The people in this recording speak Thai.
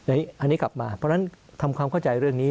อันนี้กลับมาเพราะฉะนั้นทำความเข้าใจเรื่องนี้